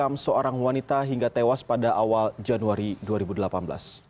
harimau bonita yang diduga menarik